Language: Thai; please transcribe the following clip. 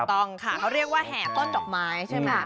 ต้องค่ะเขาเรียกว่าแห่ต้นดอกไม้ใช่ไหม